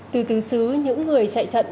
từ từ xứ những người chạy thận